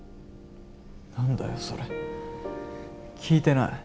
何だよそれ聞いてない。